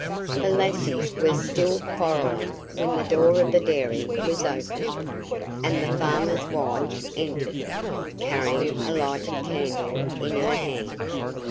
The lassies were still quarreling when the door of the dairy was opened, and the farmer's wife entered, carrying a lighted candle in her hand.